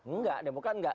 enggak demokrat enggak